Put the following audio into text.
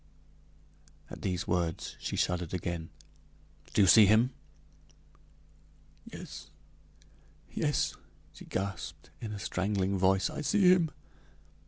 At these words she shuddered again. "Do you see him?" "Yes yes," she gasped in a strangling voice, "I see him."